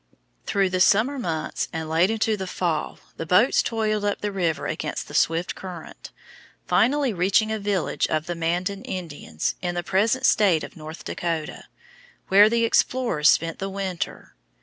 Through the summer months and late into the fall the boats toiled up the river against the swift current, finally reaching a village of the Mandan Indians in the present state of North Dakota, where the explorers spent the winter.